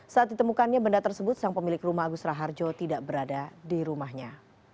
saat ditemukannya benda tersebut sang pemilik rumah agus raharjo tidak berada di rumahnya